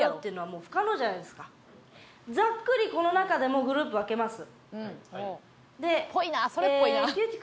ざっくりこの中でもうグループ分けます。